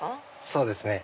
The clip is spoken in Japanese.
そうですね